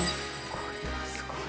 これはすごい。